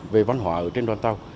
về văn hóa ở trên đoàn tàu